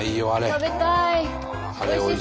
食べたい。